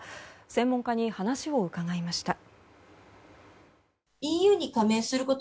専門家に話を伺いました。